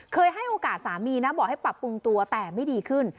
ให้โอกาสสามีนะบอกให้ปรับปรุงตัวแต่ไม่ดีขึ้น